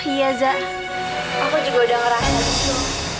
iya zak aku juga udah ngerasa gitu